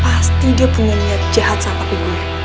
pasti dia punya niat jahat sama papi gue